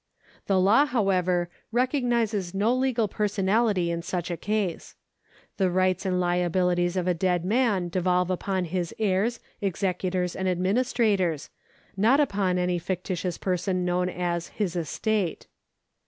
The law, however, recognises no legal personality in such a case. The rights and liabilities of a dead man devolve upon his heirs, executors, and administrators, not upon any fictitious person known as his estate.